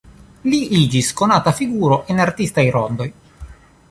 Li iĝis konata figuro en artistaj rondoj.